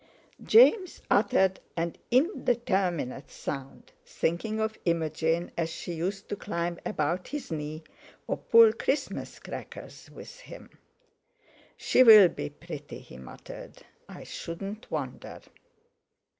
James uttered an indeterminate sound, thinking of Imogen as she used to climb about his knee or pull Christmas crackers with him. "She'll be pretty," he muttered, "I shouldn't wonder."